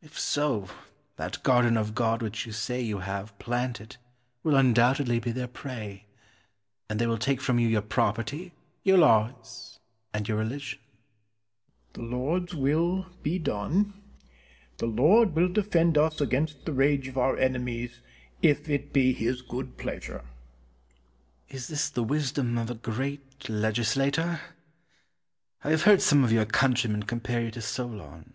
If so, that garden of God which you say you have planted will undoubtedly be their prey, and they will take from you your property, your laws, and your religion. Penn. The Lord's will be done. The Lord will defend us against the rage of our enemies if it be His good pleasure. Cortez. Is this the wisdom of a great legislator? I have heard some of your countrymen compare you to Solon.